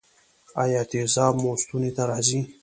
ایا تیزاب مو ستوني ته راځي؟